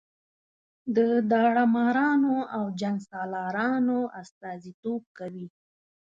د داړه مارانو او جنګ سالارانو استازي توب کوي.